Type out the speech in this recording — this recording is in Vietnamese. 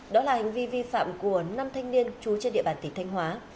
đó là hành vi vi phạm của năm thanh niên trú trên địa bàn tỉnh thanh hóa